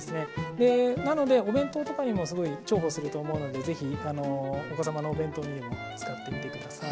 でなのでお弁当とかにもすごい重宝すると思うので是非お子様のお弁当にでも使ってみて下さい。